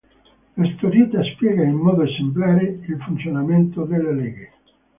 La storiella spiega in modo esemplare il funzionamento della legge.